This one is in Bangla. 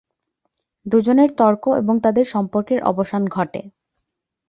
দুজনের তর্ক এবং তাদের সম্পর্কের অবসান ঘটে।